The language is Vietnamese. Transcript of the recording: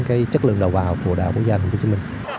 cái chất lượng đầu vào của đạo quốc gia tp hcm